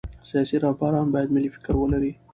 سیاسي رهبران باید ملي فکر ولري